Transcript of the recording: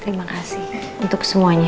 terima kasih untuk semuanya